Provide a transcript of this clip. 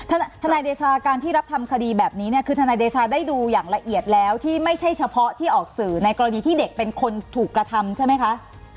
ทนายเดชาการที่รับทำคดีแบบนี้เนี่ยคือทนายเดชาได้ดูอย่างละเอียดแล้วที่ไม่ใช่เฉพาะที่ออกสื่อในกรณีที่เด็กเป็นคนถูกกระทำใช่ไหมคะ